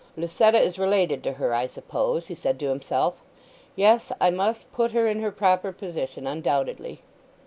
"Lucetta is related to her, I suppose," he said to himself. "Yes, I must put her in her proper position, undoubtedly."